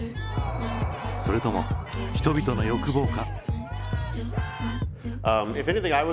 それとも人々の欲望か？